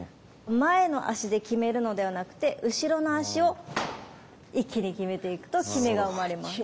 前の足で極めるのではなくて後ろの足を一気に極めていくと極めが生まれます。